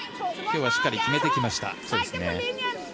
今日はしっかり決めてきました。